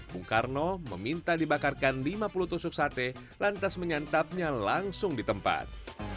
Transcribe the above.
bung karno meminta dibakarkan lima puluh tusuk sate lantas menyantapnya langsung di tempat